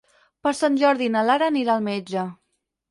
Per Sant Jordi na Lara anirà al metge.